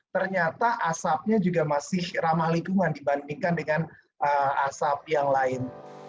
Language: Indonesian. ternyata asapnya juga masih ramah lingkungan dibandingkan dengan asap yang lain